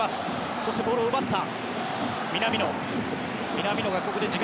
そして、ボールを奪った。